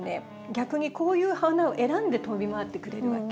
逆にこういう花を選んで飛び回ってくれるわけ。